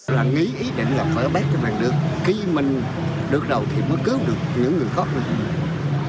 là nghĩ ý định là phải bác cho mình được khi mình được đầu thì mới cứu được những người khóc mình